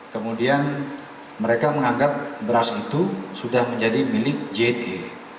kemudian mereka menganggap beras itu sudah menjadi milik jne